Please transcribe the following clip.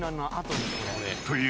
［という